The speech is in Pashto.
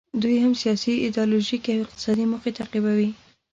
دوی هم سیاسي، ایډیالوژیکي او اقتصادي موخې تعقیبوي.